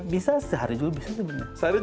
bisa sehari dulu bisa